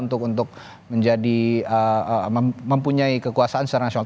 untuk menjadi mempunyai kekuasaan secara nasional